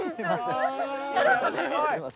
ありがとうございます。